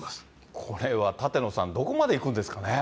これは舘野さん、どこまでいくんですかね。